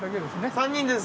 ３人です。